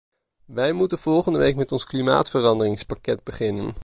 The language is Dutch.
Wij moeten volgende week met ons klimaatveranderingspakket beginnen.